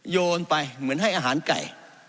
โยนไปเหมือนให้อาหารไก่